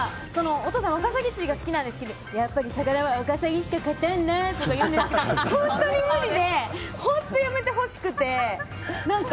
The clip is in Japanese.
お父さんワカサギ釣りが好きなんですけどやっぱり魚はワカサギしか勝たんとか言うんですけど、本当に無理で本当にやめてほしくて。